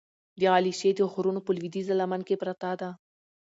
د علیشې د غرونو په لودیځه لمن کې پرته ده،